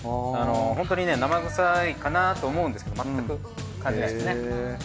ホントにね生臭いかなと思うんですけどまったく感じないですね。